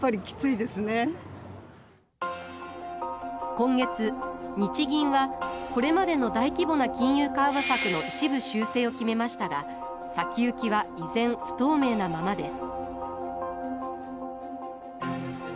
今月日銀はこれまでの大規模な金融緩和策の一部修正を決めましたが先行きは依然不透明なままです